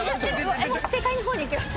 正解の方にいきます。